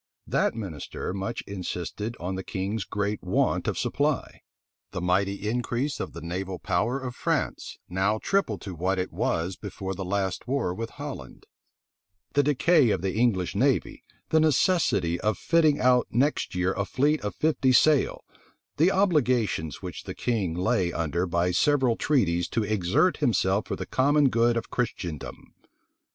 That minister much insisted on the king's great want of supply; the mighty increase of the naval power of France, now triple to what it was before the last war with Holland; the decay of the English navy; the necessity of fitting out next year a fleet of fifty sail; the obligations which the king lay under by several treaties to exert himself for the common good of Christendom.